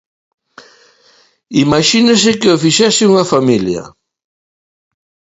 Imaxínese que o fixese unha familia.